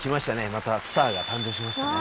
またスターが誕生しましたね